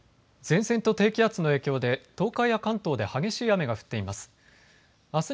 前線と低気圧の影響で東海や関東で激しい雨が降っています。